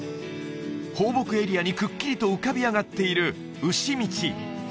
放牧エリアにくっきりと浮かび上がっている牛道